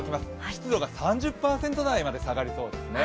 湿度が３０％台にまで下がりそうですね。